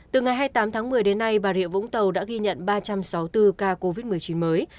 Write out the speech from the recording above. từ ngày hai mươi tám tháng một mươi đến nay bà rịa vũng tàu đã ghi nhận ba trăm sáu mươi bốn ca covid một mươi chín mới